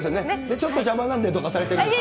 ちょっと邪魔なんでって、どかされてるんですか。